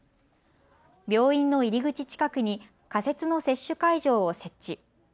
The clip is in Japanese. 病院の入り口近くに仮設の接種会場を設置。